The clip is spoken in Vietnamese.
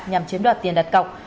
nhằm chiếm đoạt tiền đặt cọc